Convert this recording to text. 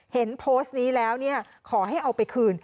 เห็นโพสต์นี้แล้วขอให้เอาไปคืน